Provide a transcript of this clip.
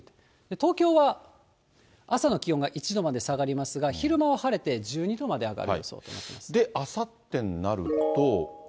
東京は朝の気温が１度まで下がりますが、昼間は晴れて１２度まで上がる予想となっています。